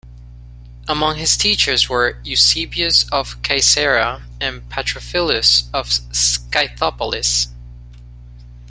Among his teachers were Eusebius of Caesarea and Patrophilus of Scythopolis.